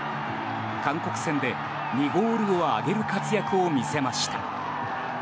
韓国戦で２ゴールを挙げる活躍を見せました。